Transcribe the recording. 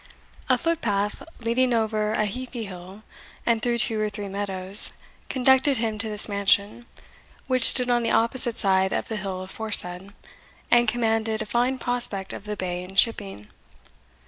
A footpath leading over a heathy hill, and through two or three meadows, conducted him to this mansion, which stood on the opposite side of the hill aforesaid, and commanded a fine prospect of the bay and shipping.